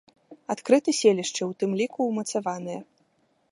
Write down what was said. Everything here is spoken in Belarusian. Адкрыты селішчы, у тым ліку ўмацаваныя.